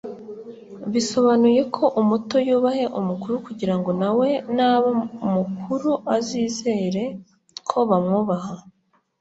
Bisobanuye ko umuto yubahe umukuru kugirango nawe naba mukuru azizere ko bamwubaha